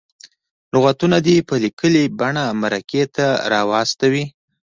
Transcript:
لغتونه دې په لیکلې بڼه مرکې ته راواستوي.